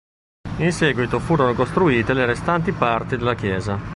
In seguito furono costruite le restanti parti della chiesa.